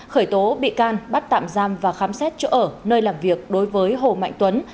khởi tố bị can bắt tạm giam và khám xét chỗ ở nơi làm việc đối với hồ mạnh tuấn